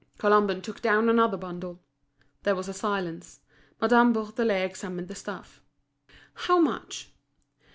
Colomban took down another bundle. There was a silence. Madame Bourdelais examined the stuff. "How much?"